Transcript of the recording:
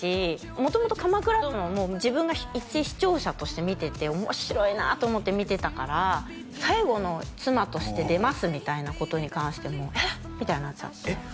元々「鎌倉殿」も自分がいち視聴者として見てて面白いなと思って見てたから最後の妻として出ますみたいなことに関しても「えっ！？」みたいになっちゃってえっ